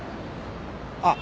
あっ。